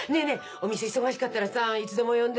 お店が忙しかったらいつでも呼んで！